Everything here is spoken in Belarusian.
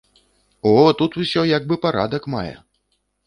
О, тут усё як бы парадак мае.